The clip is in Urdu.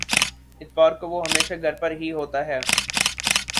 اتوار کو وہ ہمیشہ گھر پر ہی ہوتا ہے۔